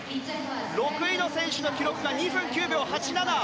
６位の選手の記録が２分９秒８７。